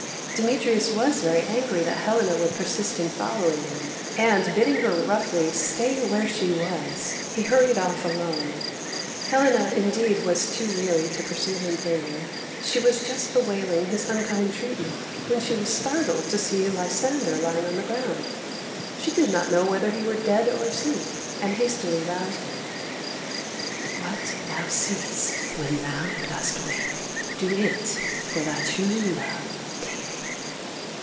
Demetrius was very angry that Helena would persist in following him, and, bidding her roughly stay where she was, he hurried off alone. Helena, indeed, was too weary to pursue him further. She was just bewailing his unkind treatment, when she was startled to see Lysander lying on the ground. She did not know whether he were dead or asleep, and hastily roused him. [Illustration: "What thou seest when thou dost wake. Do it for thy true love take."